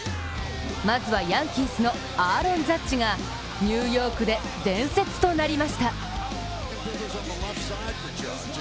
まずはヤンキースのアーロン・ジャッジがニューヨークで伝説となりました。